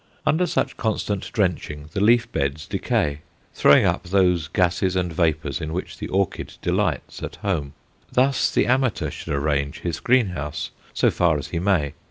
Under such constant drenching the leaf beds decay, throwing up those gases and vapours in which the orchid delights at home. Thus the amateur should arrange his greenhouse, so far as he may.